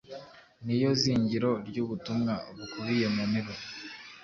Ni yo zingiro ry’ubutumwa bukubiye mu nteruro.